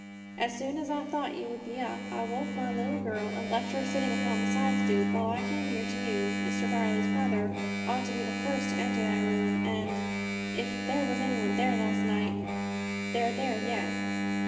As soon as I thought you would be up I awoke my little girl, and left her sitting upon the side stoop, while I came here to you. Mr. Brierly's brother ought to be first to enter that room, and if there was anyone there last night they're there yet."